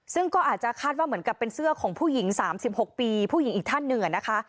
ซึ่งก็อาจจะคาดว่าเหมือนกับเป็นเสื้อของผู้หญิง๓๖ปีผู้หญิงอีกท่านหนึ่งนะคะ